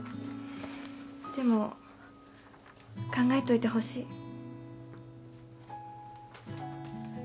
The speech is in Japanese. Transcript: でも考えておいてほしい。